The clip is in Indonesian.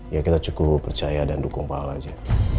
ya kita cukup percaya dan dukung pak al aja